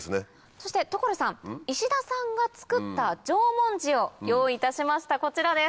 そして所さん石田さんが作った縄文塩用意いたしましたこちらです。